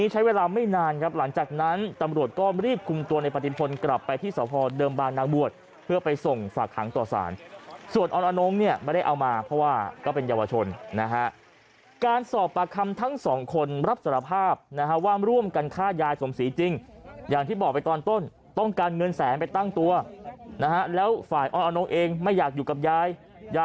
ใช้เวลาไม่นานครับหลังจากนั้นตำรวจก็รีบคุมตัวในปฏิพลกลับไปที่สพเดิมบางนางบวชเพื่อไปส่งฝากหางต่อสารส่วนออนอนงเนี่ยไม่ได้เอามาเพราะว่าก็เป็นเยาวชนนะฮะการสอบปากคำทั้งสองคนรับสารภาพนะฮะว่าร่วมกันฆ่ายายสมศรีจริงอย่างที่บอกไปตอนต้นต้องการเงินแสนไปตั้งตัวนะฮะแล้วฝ่ายออนอนงเองไม่อยากอยู่กับยายยาย